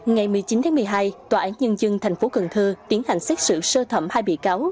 ngày một mươi chín tháng một mươi hai tòa án nhân dân tp cần thơ tiến hành xét xử sơ thẩm hai bị cáo